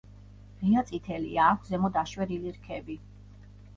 ღია წითელია, აქვს ზემოთ აშვერილი რქები.